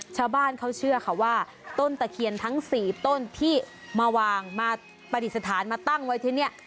ชาวบ้านเขาเชื่อค่ะว่าต้นตะเคียนทั้ง๔ต้นที่มาวางมาปฏิสถานมาตั้งไว้ที่นี่